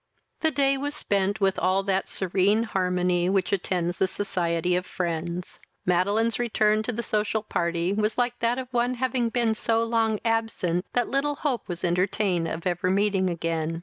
The day was spent with all that serene harmony which attends the society of friends. Madeline's return to the social party was like that of one having been so long absent, that little hope was entertained of ever meeting again.